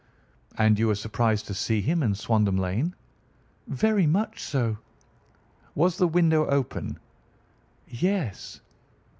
"And you were surprised to see him in Swandam Lane?" "Very much so." "Was the window open?" "Yes."